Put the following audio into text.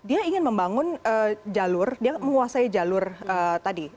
dia ingin membangun jalur dia menguasai jalur tadi